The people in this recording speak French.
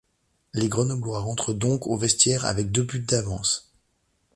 Les Grenoblois rentrent donc aux vestiaires avec deux buts d'avance.